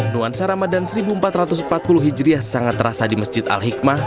nuansa ramadan seribu empat ratus empat puluh hijriah sangat terasa di masjid al hikmah